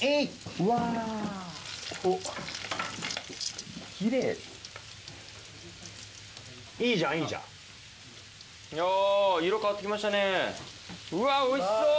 うわおいしそう！